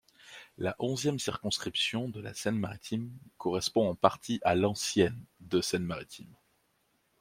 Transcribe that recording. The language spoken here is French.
La onzième circonscription de la Seine-Maritime correspond en partie à l'ancienne de Seine-Maritime.